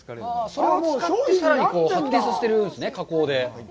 それを使って、発展させてるんですね、加工で。